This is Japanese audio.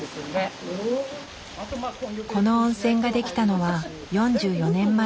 この温泉ができたのは４４年前。